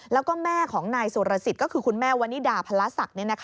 แล้วก็แม่ของนายสุรสิตก็คือคุณแม่วานิดาพลสัก